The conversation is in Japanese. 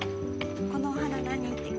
このお花何って聞いて。